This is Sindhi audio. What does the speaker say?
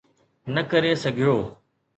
نه ڪري سگهيو.